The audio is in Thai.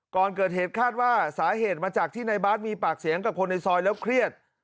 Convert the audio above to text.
ก่อนเกิดเหตุคาดว่าสาเหตุมาจากที่ในบาร์ดมีปากเสียงกับคนในซอยแล้วเครียด